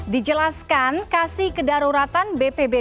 dijelaskan kasih kedaruratan bpbd